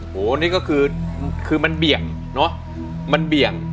โหนี่ก็คือมันเบี่ยงเนอะมันเบี่ยง